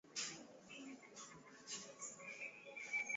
Dhana nzima ya uchumi wa buluu ni pana ambayo imebeba shughuli zote za msingi